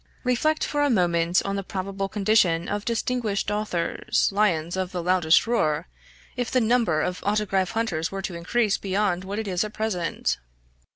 Reflect for a moment on the probable condition of distinguished authors, lions of the loudest roar, if the number of autograph hunters were to increase beyond what it is at present.